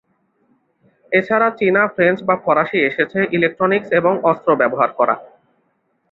এছাড়া চীনা ফ্রেঞ্চ বা ফরাসি এসেছে, ইলেকট্রনিক্স এবং অস্ত্র ব্যবহার করা।